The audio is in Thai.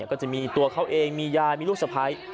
ก็จะมีตัวเขาเองมียายมีลูกสะพ้าย